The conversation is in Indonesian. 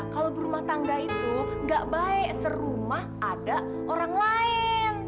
kalau berumah tangga itu gak baik serumah ada orang lain